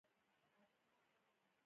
• شپه د خوب او خیالونو نړۍ ده.